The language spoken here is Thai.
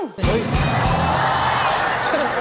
เฮ่ย